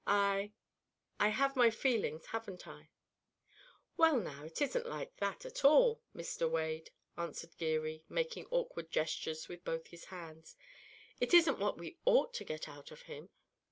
I I have my feelings, haven't I?" "Well, now, it isn't like that at all, Mr. Wade," answered Geary, making awkward gestures with both his hands. "It isn't what we ought to get out of him.